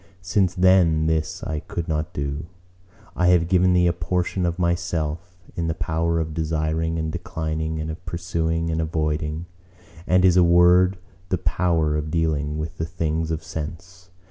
Since then this I could not do, I have given thee a portion of Myself, in the power of desiring and declining and of pursuing and avoiding, and in a word the power of dealing with the things of sense.